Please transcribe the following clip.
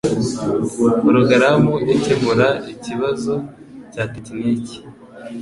Porogaramu ikemura ikibazo cya tekiniki